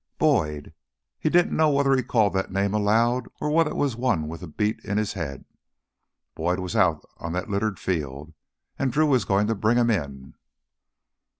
"Boyd!" He didn't know whether he called that name aloud, or whether it was one with the beat in his head. Boyd was out on that littered field, and Drew was going to bring him in.